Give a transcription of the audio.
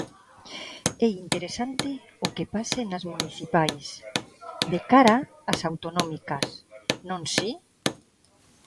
É interesante o que pase nas municipais de cara ás autonómicas, non si?